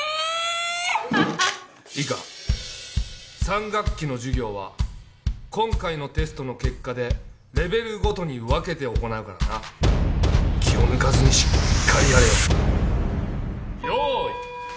アハハッいいか３学期の授業は今回のテストの結果でレベルごとに分けて行うからな気を抜かずにしっかりやれよ用意